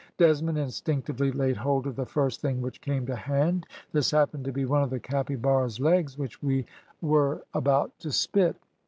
Desmond instinctively laid hold of the first thing which came to hand. This happened to be one of the capybara's legs which we were about to spit.